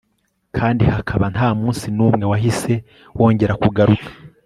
kandi hakaba nta munsi n'umwe wahise wongera kugaruka